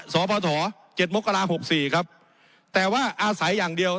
สพทเจ็ดมกราหกสี่ครับแต่ว่าอาศัยอย่างเดียว